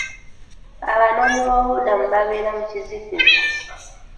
Abanoonyiboobubudamu babeera mu kizikiza.